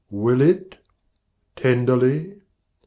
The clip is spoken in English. Will it? tenderly?